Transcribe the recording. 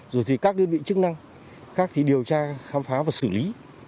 rồi thì các đơn vị chức năng khác thì điều tra khám phá và xử lý